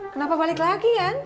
kenapa balik lagi ya